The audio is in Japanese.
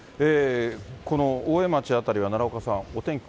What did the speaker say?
この大江町辺りは奈良岡さん、お天気